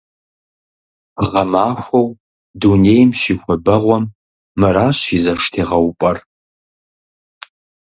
Гъэмахуэу дунейм щихуабэгъуэм мыращ и зэш тегъэупӀэр.